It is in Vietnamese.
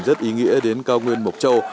rất ý nghĩa đến cao nguyên mộc châu